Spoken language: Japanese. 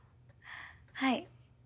はい。